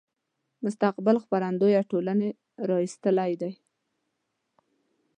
مستقبل خپرندويه ټولنې را ایستلی دی.